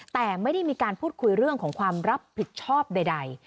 แต่ไม่ได้มีการพูดคุยเรื่องของความรับผิดชอบใด